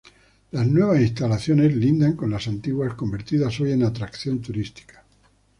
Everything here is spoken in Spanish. Las nuevas instalaciones lindan con las antiguas, convertidas hoy en atracción turística.